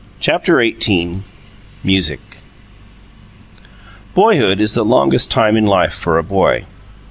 CHAPTER XVIII MUSIC Boyhood is the longest time in life for a boy.